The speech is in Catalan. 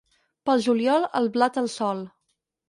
Pel juliol, el blat al sol.